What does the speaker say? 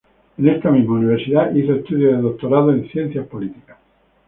En esta misma Universidad hizo estudios de Doctorado en Ciencias Políticas.